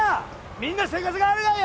みんな生活があるやんや！